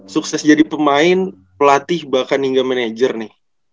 sukses jadi pemain pelatih bahkan hingga manajer nih